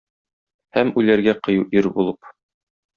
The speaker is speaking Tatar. Һәм үләргә кыю ир булып.